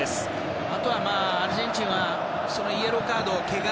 あとは、アルゼンチンはイエローカード、けが。